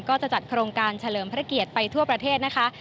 ก็จะจัดโครงการเฉลิมพระเกียรติไปทั่วประเทศนะคะ